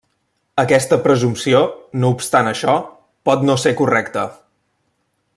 Aquesta presumpció, no obstant això, pot no ser correcta.